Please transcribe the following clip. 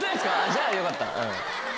じゃあよかった。